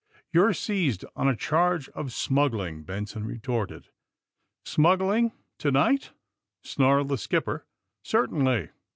^'You're seized on a charge of smuggling," Benson retorted. *^ Smuggling, to night?" snarled the skipper. Certainly."